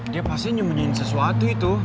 dia pasti nyembunyiin sesuatu itu